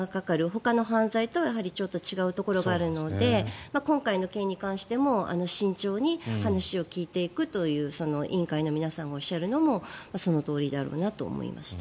ほかの犯罪とはちょっと違うところがあるので今回の件に関しても慎重に話を聞いていくという委員会の皆さんがおっしゃるのもそのとおりだなと思いました。